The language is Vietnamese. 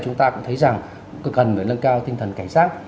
chúng ta cũng thấy rằng cực gần với lân cao tinh thần cảnh sát